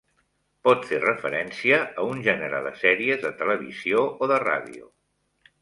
Pot fer referència a un gènere de sèries de televisió o de ràdio.